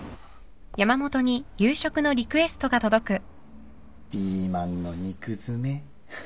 「ピーマンの肉詰め」